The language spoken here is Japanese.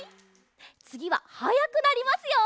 つぎははやくなりますよ！